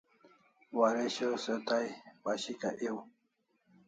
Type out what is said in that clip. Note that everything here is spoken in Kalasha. Waresho se tai pashika ew